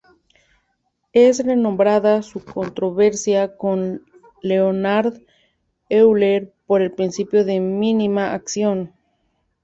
Es renombrada su controversia con Leonhard Euler por el principio de mínima acción.